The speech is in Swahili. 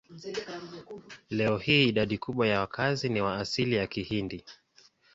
Leo hii idadi kubwa ya wakazi ni wa asili ya Kihindi.